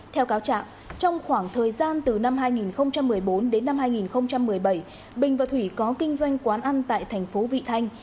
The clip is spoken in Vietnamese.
theo cáo trạng trong khoảng thời gian từ năm hai nghìn một mươi bốn đến năm hai nghìn một mươi bảy bình và thủy có kinh doanh quán ăn tại thành phố vị thanh